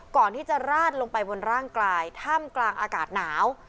ก่อนที่จะราดลงไปบนร่างกายถ้ำกลางอากาศหนาว